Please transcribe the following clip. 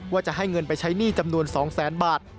ว่าจะให้เงินไปใช้หนี้จำนวน๒แสนบาท